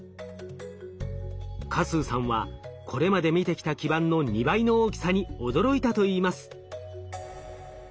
嘉数さんはこれまで見てきた基板の２倍の大きさに驚いたといいます。